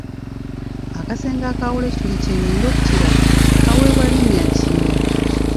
Akasenge akaawula ekituli ky'ennyindo ku kirala kiweebwa linnya ki?